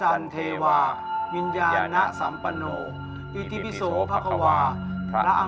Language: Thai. เฮ้ยอย่ากลัวไอ้กู